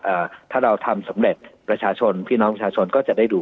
อ่าถ้าเราทำสำเร็จประชาชนพี่น้องประชาชนก็จะได้ดู